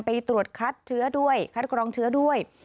ไปตรวจคัดเชื้อด้วยคัดกรองเชื้อด้วย